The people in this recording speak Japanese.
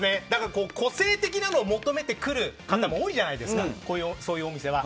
個性的なものを求めてくる方も多いじゃないですかそういうお店は。